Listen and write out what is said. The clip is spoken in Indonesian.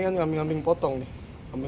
yang drums itu di kolom